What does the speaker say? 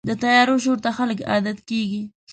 د طیارو شور ته خلک عادت کېږي.